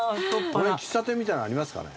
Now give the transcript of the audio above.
この辺喫茶店みたいなのありますかね？